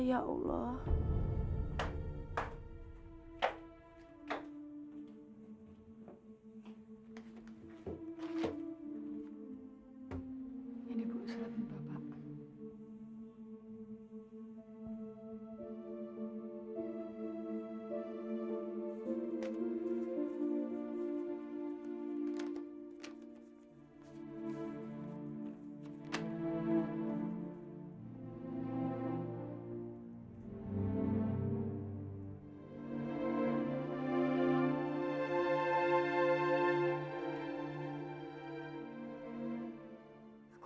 nyata masih enggak